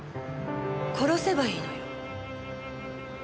殺せばいいのよ。